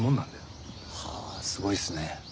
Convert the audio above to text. はぁすごいっすね。